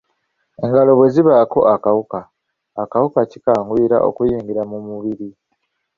Engalo bwe zibaako akawuka, akawuka kikanguyira okukuyingira mu mubiri.